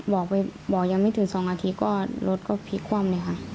บอกยังไม่ถึง๒อาทิตย์ก็รถก็พลิกคว่ำเลยค่ะ